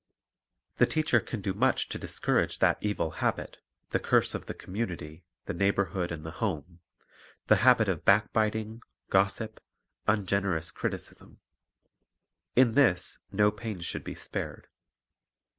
The teacher can do much to discourage that evil habit, the cur6e of the community, the neighborhood, and the home, — the habit of backbiting, gossip, ungen erous criticism. In this no pains should be spared.